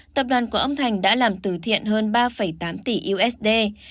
tập đoàn của ông thành đã làm từ thiện hơn ba tám tỷ usd